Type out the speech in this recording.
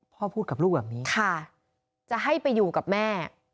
พูดกับลูกแบบนี้ค่ะจะให้ไปอยู่กับแม่